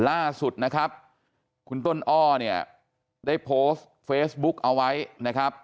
ล่าสุดนะครับคุณต้นอ้อเนี่ยได้โพสต์เฟซบุ๊กเอาไว้นะครับ